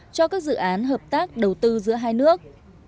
cho các dự án hợp tác đầu tư giữa hai nước